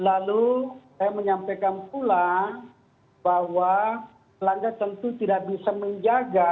lalu saya menyampaikan pula bahwa langga tentu tidak bisa menjaga